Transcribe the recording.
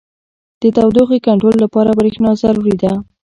• د تودوخې کنټرول لپاره برېښنا ضروري ده.